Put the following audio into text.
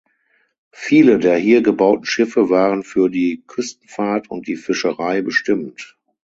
Viele der hier gebauten Schiffe waren für die Küstenfahrt und die Fischerei bestimmt.